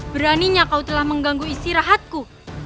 beraninya kau telah mengganggu istirahatku